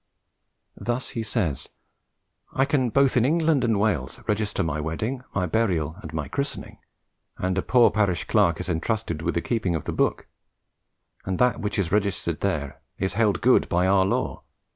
Thus, he says, "I can both in England and Wales register my wedding, my burial, and my christening, and a poor parish clerk is entrusted with the keeping of the book; and that which is registered there is held good by our law.